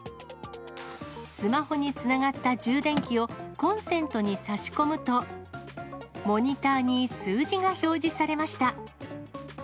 スマホにつながった充電器をコンセントに挿し込むと、モニターに数字が表示されました。